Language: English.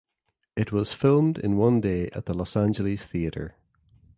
It was filmed in one day at the Los Angeles Theatre.